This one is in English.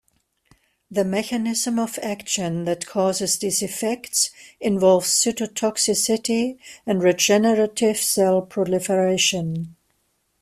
The mechanism of action that causes these effects involves cytotoxicity and regenerative cell proliferation.